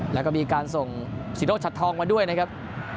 แล้วก็มีการส่งศิโรชัดทองมาด้วยนะครับ